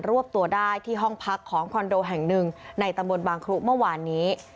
วบตัวได้ที่ห้องพักของคอนโดแห่งหนึ่งในตำบลบางครุเมื่อวานนี้